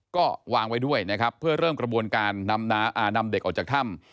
ก็วางไว้ด้วยนะครับเพื่อเริ่มกระบวนการนำเด็กออกจากถ้ำ